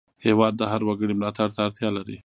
هېواد د هر وګړي ملاتړ ته اړتیا لري.